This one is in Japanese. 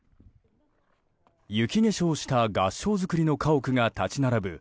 雪化粧した合掌造りの家屋が立ち並ぶ